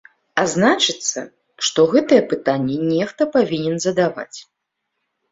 А значыцца, што гэтыя пытанні нехта павінен задаваць.